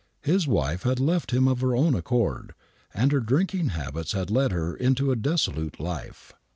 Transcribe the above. His wife had left him of her own accord,, and her drinking habits had led her into a dissolute life.